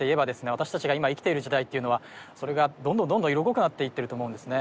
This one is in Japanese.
私たちが今生きている時代っていうのはそれがどんどん色濃くなっていってると思うんですね